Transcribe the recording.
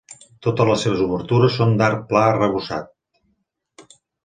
Totes les seves obertures són d'arc pla arrebossat.